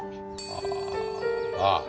あああっ！